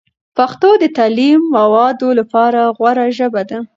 پښتو د تعلیمي موادو لپاره غوره ژبه ده.